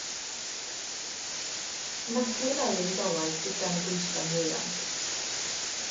Marciau melyn golau sydd gan y gweision ieuanc.